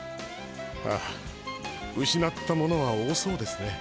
ああうしなったものは多そうですね。